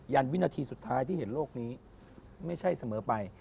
ันวินาทีสุดท้ายที่เห็นโลกนี้ไม่ใช่เสมอไป